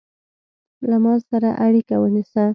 له ما سره اړیکه ونیسه